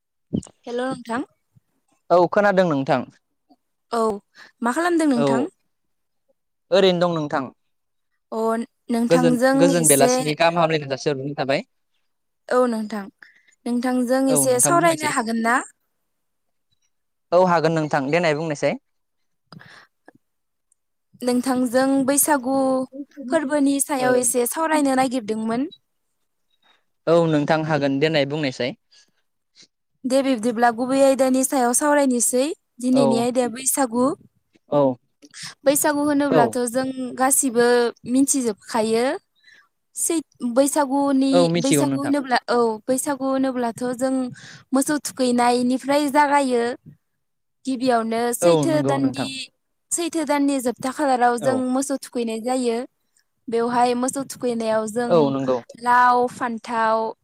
[unintelligible] औ मा खालामदों नोंथां? ओरैनो दं नोंथां। उन गोजोन गोजोन बेलासिनि गाहाम हामलायनाय जासिहरनाय थाबाय। औ नोंथां नोंथांजों एसे सावरायनो हागोन ना? औ हागोन नोंथां देनाय बुंनायसाय नोंथां जों बैसागु फोरबोनि सायाव एसे सावरायनो नागिरदोंमोन। औ नोंथां हागोन देनाय बुंनायसाय- दे बिब्दिब्ला गुबै आयदानि सायाव सावरायनोसै दिनैनि आयदाया बैसागु बैसागु होनोब्लाथ' जों गासिबो मिथिजोबखायोै बैसागुनि बैसागु होनोब्ला औ बैसागु होनोब्लाथ' जों मोसौ थुखैनायनिफ्राय जागायो- बेयावनो सैथो दाननि सैथो दाननि जोबथा खालाराव जों मोसौ थ थुखैनाय जायो बेवहाय मोसौ थुखैनायाव जों लाव फानथाव-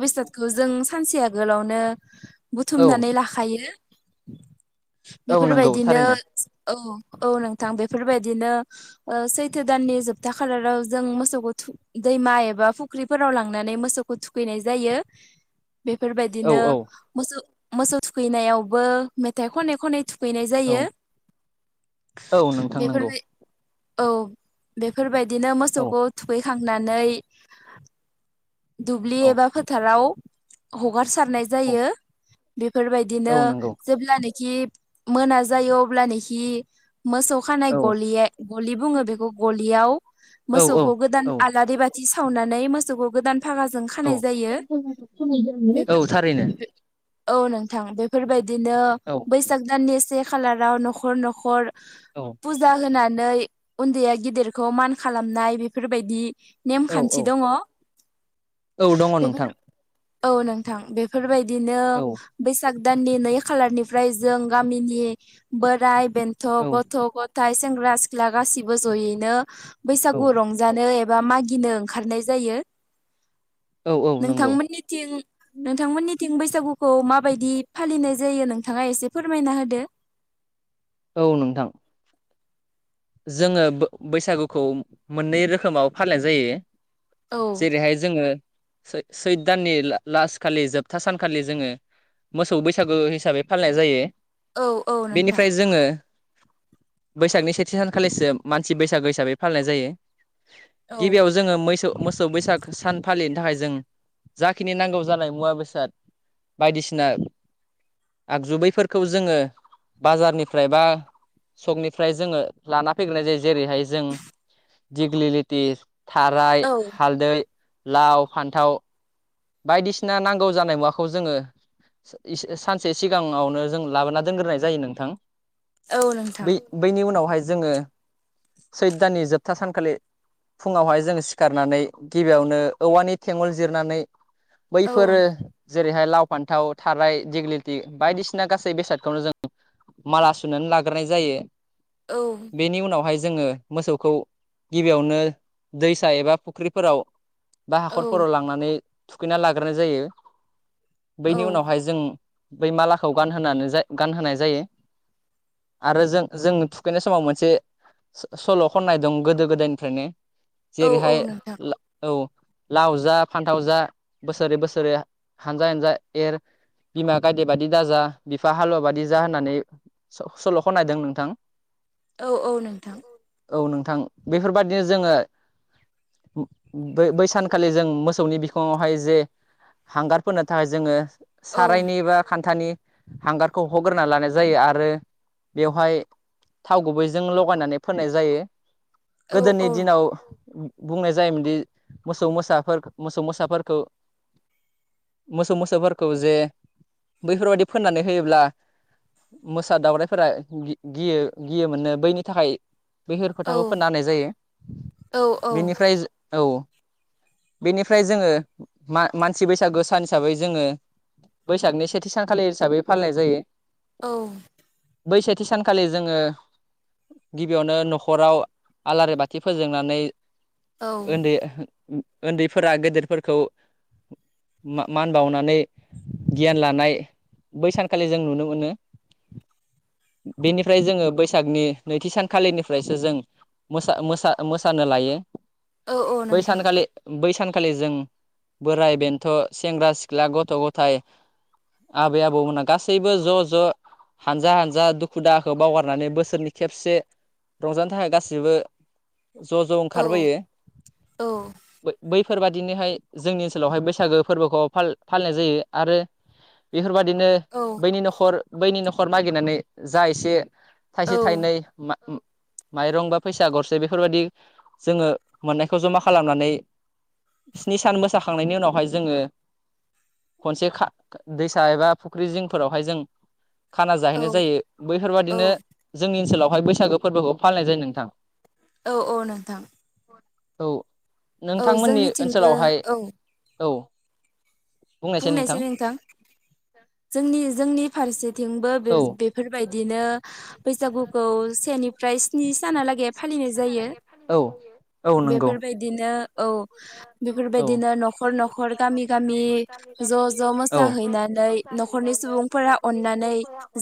बेसादखौ जों सानसे आगोलावनो बुथुमनानै लाखायो। बेफोरबायदिनो औ औ नोंथां बेफोरबायदिनो सैथो दाननि जोबथा खालाराव जों मोसौखौ दैमा एबा फुख्रि- राव लांनानै मोसौखौ थुखैनाय जायो बेफोरबायदिनो मोसौ मोसौ थुखैनायावबो मेथाइ खन खनै फैनाय जायो बेफोरबाय औ बेफोरबायदिनो मोसौखौ थुखैखांनानै दुब्लि एबा फोथाराव हगारसारनाय जायो बेफोरबायदिनो जेब्लानोखि मोना जायो अब्लानोखि मोसौ खानाय गलि गलि बुङो बेखौ गलियाव मोसौखौ गोदान आलारि बा थि सावनानै मोसौखौ गोदान फागाजों खानाय जायो बेफोर औ नोंथां बेफोरबायदिनो बैसाग दाननि से खालाराव न'खर न'खर फुजा होनानै उन्दैया गिदिरखौ मान खालामनाय बेफोरबायदि नेमखान्थि दङ औ दङ नोंथां औ नोंथां बेफोरबायदिनो बैसाग दाननि नै खालारनिफ्राय जों गामिनि बोराइ बेन्थ' गथ' ग थाइ सेंग्रा सिख्ला गासिबो जयैनो बैसागु रंजानो एब बा मागिनो ओंखारनाय जायो। नोंथांमोननिथिं नोंथांमोननि थिं बैसागुखौ माबायदि फालिनाय जायो नोंथाङा एसे फोरमायना होदो औ नोंथां जोङो बो-बैसागुखौ मोननै रोखोमाव फालिनाय जायो। जेरैहाय जोङो सैद सैद दाननि लास खालि जोबथा सानखालि जोङो मोसौ बैसागु हिसाबै फालिनाय जायो। बेनिफ्राय जोङो बैसागनि से थि सानखालिसो मानसि बैसागो हिसाबै फालिनाय जायो गिबियाव जोङो मैसौ मोसौ बैसाग सान फालिनो थाखाय जों जाखिनि नांगौ जानाय मुवा बेसाद बायदिसिना आगजु बैफोरखौ जोङो बाजारनिफ्राय बा सकनिफ्राय जोङो लाना फैग्रोनाय जायो जेरैहाय जों दिगलिलिटि थाराय हालदै लाव फान्थाव बायदिसिना नांगौ जानाय मुवाखौ जोङो सानसे सिगाङावनो जों लाबोना दोनग्रोनाय जायो नोंथां बै-बैनि उनावहाय जोङो सैद दाननि जोबथा सानखालि फुङावहाय जोङो सिखारनानै गिबियावनो औवानि थेंवल जिरनानै बैफोरो जेरैहाय लाव फान्थाव थाराय दिग्लिथि बायदिसिना गासै बेसादखौनो जों माला सुनानै लाग्रोनाय जायो बेनि उनावहाय जोङो मोसौखौ गिबियावनो दैसा एबा फुख्रिफोराव बा हाखरफोराव लांनानै थुखैना लाग्रोनाय जायो। बैनि उनावहाय जों बै मालाखौ गानहोनानै गानहोनाय जायो आरो जों जों थुखैनाय समाव मोनसे सल' खननाय दं गोदो गोदायनिफ्रायनो जेरैहाय ला औ लाव जा फान्थाव जा बोसोरे बोसोरे हान्जा हान्जा एर बिमा गायदे बादि दा जा बिफा हालुवा बादि जा होननानै सल' खन्नायदों नोंथां औ औ नोंथां औ नोंथां बेफोरबाददिनो जोङो बै बै सानखालि जों मोसौनि बिखङावहाय जे हांगारफोन्नो थाखाय जोङो सारायनि बा खान्थानि हांगारखौ हग्रोना लानाय जायो आरो बेवहाय थाव गुबैजों लगायनानै फोनाय जायो गोदोनि दिनाव बुंनाय जायोमोनदि मोसौ मोसाफोर मोसौ मोसाफोरखौ [unintelligible] मोसौ मोसौफोरखौ जे बैफोरबायदि फोननानै होयोब्ला मोसा दावरायाइफोरा गियो गियोमोन नो बैनि थाखाय बैफोर खोथाखौ फोनना होनाय जायो बेनिफ्राय औ बेनिफ्राय जोङो मा मानसि बैसागो सान हिसाबै जोङो बैसागनि सेथि सानखालि हिसाबै फालिनाय जायो। औ। बै सेथि सानखालि जोङो गिबियावनो न'खराव आलारि बाथि फोजोंनानै उन्दै उन्दैफोरा गेदेरफोरखौ [unintelligible] मान बावनानै गियान लानाय बै सानखालि जों नुनो मोनो। बेनिफ्राय जोङो बैसागनि नैथि सानखालिनिफ्रायसो जों मोसा मोसा मोसानो लायो बैसानखालि बैस सानखालि जों बोराइ बेन्थ' सेंग्रा सिख्ला गथ' गथाय आबै आबौमोना गासैबो ज' ज' हानजा हानजा दुखु दाहाखौ बावगारनानै बोसोरनि खेबसे रंजानो थाखाय गाससिबो ज' ज' ओंखारबोयो बैफोरबादिनोहाय जोंनि ओनसोलावहाय बैसागो फोरबोखौ फालि फालिनाय जायो आरो बेफोरबादि बिदिनो बैनि न'खर बैनि न'खर मागिनानै जा एसे थाइसे थाइनै मा माइरं बा फैसा गरसे बेफोरबायादि जोङो मोननायखौ जमा खालामनानै स्नि सान मोसाखांनायनि उनावहाय जोङो खनसे खा दैसा एबा फुख्रि जिंफोरावहाय जों खाना जाहैनाय जायो बैफोरबायादिनो जोंनि ओनसोलावहाय बैसागो फोरबोखौ फालिनाय जायो नोंथां। औ औ नोंथां। औ नोंथांमोननि ओन बे औ। औ। बुंनायसाय नोंथां। जोंनि जोंनि फारसेथिंबो बेजबेफोरबायदि दिनो बैसागुखौ सेनिफ्राय स्नि सानालागै फालिनाय जायो बेफोरबायदिनो औ। बेफोरबायदिनो न'खर न'खर गामि गामि ज' ज' मोसाहैनानै न'खरनि सुबुंफोरा अननानै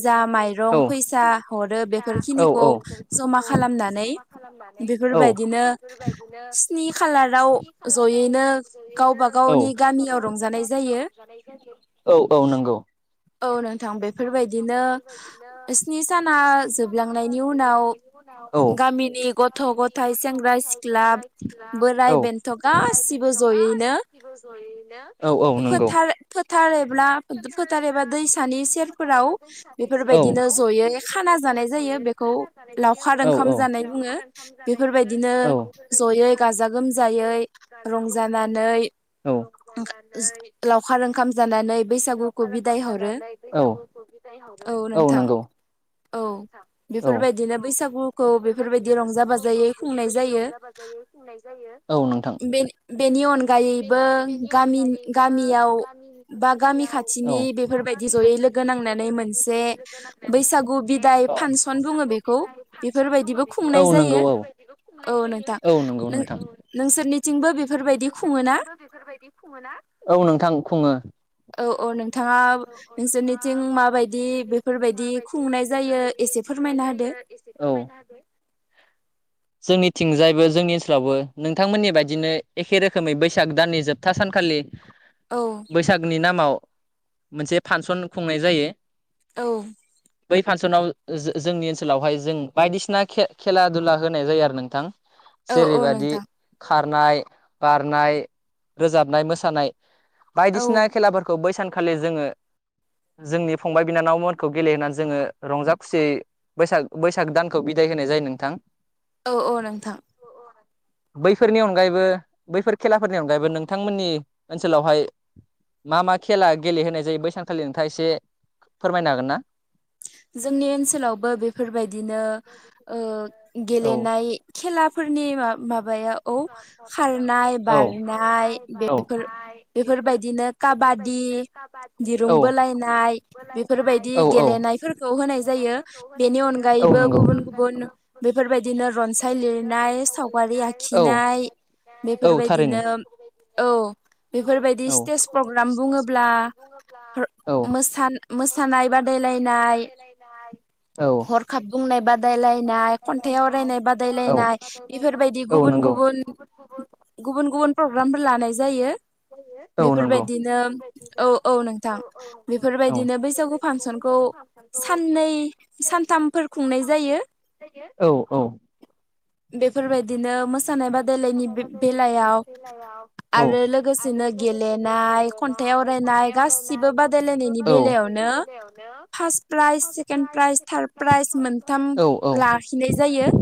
जा माइरं फैसा हरो बेफोरखिनिखौ जमा खालाम नानै बेफोरबायदिनो स्नि खालाराव जयैनो गावबा गावनि गामियाव रंजानाय जायो। औ नोंथां बेफोरबायदिनो स्नि साना जोबलांनायनि उनाव गामिनि गथ' गथायाइ सेंग्रा सिख्ला बोराइ बेन्थ' गासिबो ज यैनो फोथार फोथार एब्रा फोथार एबा दैसानि सेरफोराव बेफोरबायदिनो जयै खाना जानाय जायो बे लावखार ओखाम जानाय बुङो बेफोरबायदिनो जयै गाजा गोमजायै रंजान नानै लावखार ओंखाम जानानै बैसागु अ ओंखाम जानानै बैसागुखौ बिदाय हरो औ नंगौ। औ बेफोरबायदिनो बैसागु फोरखौ बेफोरबायदि रंजा बाजायै खुंनाय जायो बे बेनि अनगायैबो गामिन गामियाव बा गामि खाथि नि बेफोरबायदि जयै लोगो नांनानै मोनसे बैसागु बिदाय फांसन बुङो। बे औ नंगौ औ औ नंगौ नोंथां। नोंसोरनिथिंबो बेफोरबायदि खुङो ना औ नोंथां खुङो। औ औ नों नोंथाङा नोंसोरनिथिं माबायदि बेफोरबायदि खुंनाय जायो एसे फोरमायना होदो? औ जोंनिथिंजायबो जोंनि ओनसोलावबो नोंथांमोननि बायदिनो एखे रोखोमै बैसाग दाननि जोबथा सान खालि बैसागनि नामाव मोनसे फांसन खुंनाय जायो। औ बै फांसनाव जोंनि ओनसोलावहाय जों बायदिसिना खेला दुला होनाय जायो आरो नोंथां। औ औ नोंथां। खारनाय, बारनाय, रोजाबनाय, मोसानाय बायदिसिना खेलाफोरखौ बै सानखालि जोङो जोंनि फंबाय बिनानावमोनखौ गेलेहनानै जोङो रंजा खुसियै बैसाग बैसाग दानखौ बिदाय होनाय जायो नोंथां। औ औ नोंथां। बैफोरनि अनगायैबो बैफोर खेलाफोरनि अनगायैबो नोंथांमोननि ओनसोलावहाय मा मा खेला गेलेहोनाय जायो बै सानखालि नोंथाङा एसे फोरमायनो हागोन ना? जोंनि ओनसोलावबो बेफोरबायदिनो ओ गेलेनाय खेला फोरनि माबायाव औ खारनाय, बारनाय बेफोर बेफोरबायदिनो खाबादि, दिरुं बोलायनाय बेफोरबायदि गेलेनायफोर खौ होनाय जायो। बेनि अनगायैबो गुबुन गुबुन बेफोरबायदिनो रनसाय लिर नाय, सावगारि आखिनाय बेफोरबायदिनो औ बेफोरबायदि स्टेज प्रग्राम बुङोब्ला मोसा मोसानाय बादायलायनाय, हरखाब बुंनाय बादायलायनाय, खन्थाइ आवरायनाय बादायलायनाय बेफोरबायदि गुबुन गुबुन गुबुन गुबुन प्रग्रामफोर लानाय जायो। बेफोरबायदिनो औ औ नोंथां बेफोरबायदिनो बैसागु फांसनखौ साननै सानथामफोर खुंनाय जायो। बेफोरबायदिनो मो सानाय बादायलायनि बेलायाव आरो लोगोसेनो गेलेनाय, खन्थाइ आवरायनाय गासिबो बादायलायनायनि बेलायावनो first prize, second prize, third prize मोनथाम लाखिनाय जायो।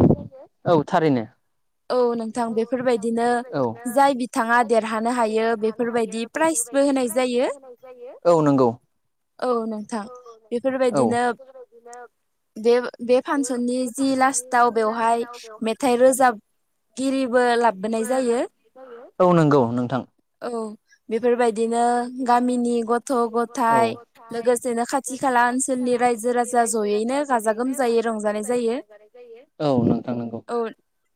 औ थारैनो। नोंथां बेफोरबायदिनो जाय बिथाङा देरहानो हायो बेफोरबायदि प्राइजबो होनाय जायो। [unintelligible] औ नंगौ। औ नोंथां बेफोरबायदिनो बे बे फांसननि जि लास्टाव बेवहाय मेथाइ रोजाब [unintelligible] औ नंगौ नोंथां। औ बेफोरबायदिनो गामिनि गथ' गथाइ लोगोसेनो खा औ थानांगौ।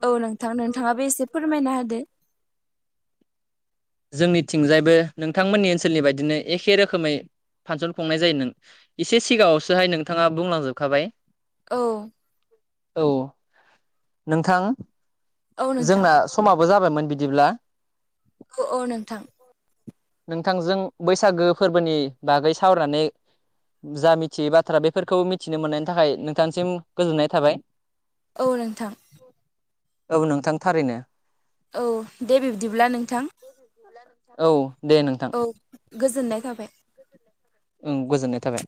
औ नोंथां नोंथाङाबो एसे फोरमायना होदो? जायबो नोंथांमोननि ओनसोलनि बायदिनो एखे रोखोमै फांसन खुंनाय जायो नों एसे सिगाङावसोहाय नोंथाङा बुंलांजोबखाबाय। औ औ नोंथां जोंना समा बो जाबायमोन बिदिब्ला। औ औ नोंथां नोंथांजों बैसागो फोरबोनि बागै सावरानानै जा मिथियै बाथ्रा बेफोरखौ मिथिनो मोननायनि थाखाय नोंथांसिम गोजोननाय थाबाय औ नोंथां औ नोंथां थारैनो औ दे बिबदिब्ला नोंथां औ दे नोंथां गोजोननाय थाबाय ओं गोजोननाय थाबाय